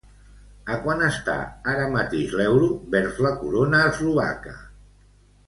A quant està ara mateix l'euro vers la corona eslovaca?